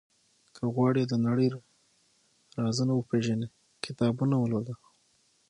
• که غواړې د نړۍ رازونه وپېژنې، کتابونه ولوله.